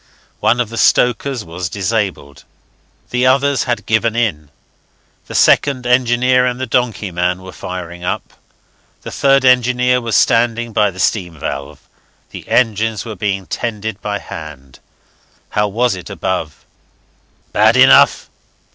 One of the stokers was disabled, the others had given in, the second engineer and the donkey man were firing up. The third engineer was standing by the steam valve. The engines were being tended by hand. How was it above? "Bad enough.